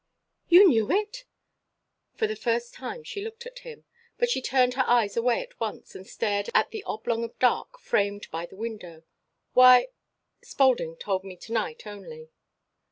"You knew it?" For the first time she looked at him, but she turned her eyes away at once and stared at the oblong of dark framed by the window. "Why " "Spaulding told me to night only."